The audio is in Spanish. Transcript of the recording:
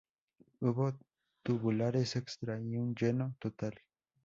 Hubo tubulares extra y un lleno total.